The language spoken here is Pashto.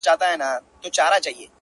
• ټول لګښت دي درکومه نه وېرېږم,